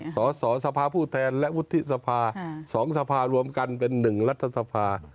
สสสภาผู้แทนและวุฒิสภา๒สภารวมกันเป็น๑รัฐสภา